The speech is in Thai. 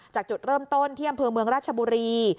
จากจุดเริ่มต้นที่อำเภอเมืองราชบุรี